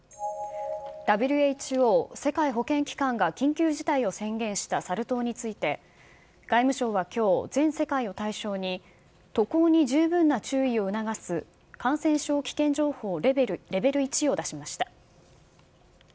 ＷＨＯ・世界保健機関が緊急事態を宣言したサル痘について、外務省はきょう、全世界を対象に、渡航に十分な注意を促す感染症危険情報レベル１を出しました。